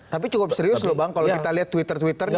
tapi cukup serius loh bang kalau kita lihat twitter twitternya